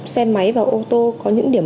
xe máy và ô tô có những điểm